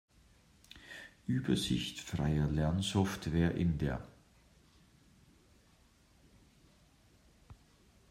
Übersicht freier Lernsoftware in der